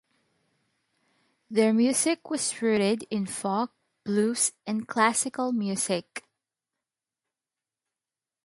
Their music was rooted in folk, blues, and classical music.